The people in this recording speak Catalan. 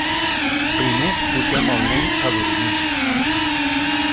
Primer posem el nen a dormir.